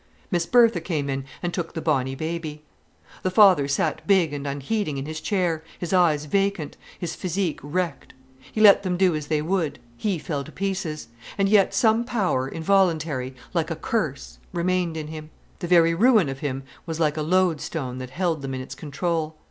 Miss Bertha came in, and took the bonny baby. The father sat big and unheeding in his chair, his eyes vacant, his physique wrecked. He let them do as they would, he fell to pieces. And yet some power, involuntary, like a curse, remained in him. The very ruin of him was like a lodestone that held them in its control.